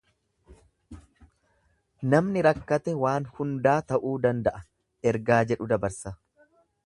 Namni rakkate waan hundaa ta'uu danda'a ergaa jedhu dabarsa.